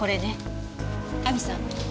亜美さん。